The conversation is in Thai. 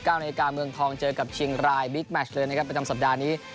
นาฬิกาเมืองทองเจอกับเชียงรายบิ๊กแมชเลยนะครับประจำสัปดาห์นี้